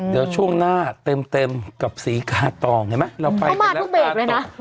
เดี๋ยวช่วงหน้าเต็มเต็มกับสีกาตองเห็นไหมเราไปเอามาทุกเบรกเลยน่ะ